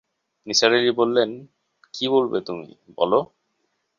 নিসার আলি বললেন, কী বলবে তুমি, বল।